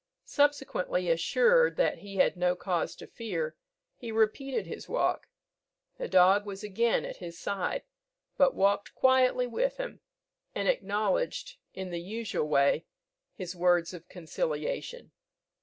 Subsequently assured that he had no cause to fear, he repeated his walk; the dog was again at his side, but walked quietly with him, and acknowledged in the usual way his words of conciliation.